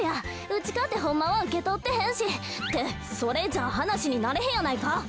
うちかてほんまはうけとってへんしってそれじゃはなしになれへんやないか。